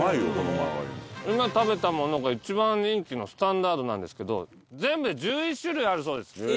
今食べたものが一番人気のスタンダードなんですけど全部で１１種類あるそうです。